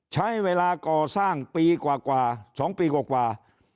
ใช้เวลาก่อสร้างปีกว่ากว่า๒ปีกว่ากว่า